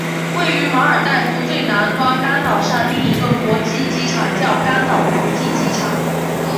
位于马尔代夫最南端甘岛上另一个国际机场叫甘岛国际机场。